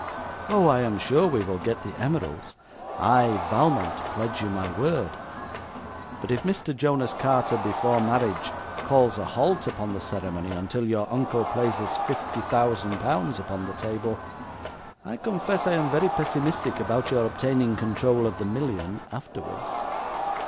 'Oh, I am sure we will get the emeralds. I, Valmont, pledge you my word. But if Mr. Jonas Carter before marriage calls a halt upon the ceremony until your uncle places fifty thousand pounds upon the table, I confess I am very pessimistic about your obtaining control of the million afterwards.'